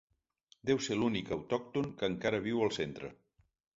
Deu ser l'únic autòcton que encara viu al centre!